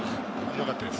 よかったです。